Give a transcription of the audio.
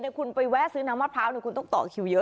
เนี่ยคุณไปแวะซื้อน้ำมะพร้าวเนี่ยคุณต้องต่อคิวเยอะอะ